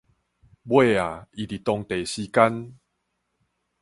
尾仔伊佇當地時間